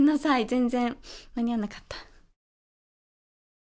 全然間に合わなかった。